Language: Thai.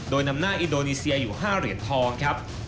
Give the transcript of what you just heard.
โดยนำหน้าอินโดนีเซียอยู่๕เหรียญทองครับ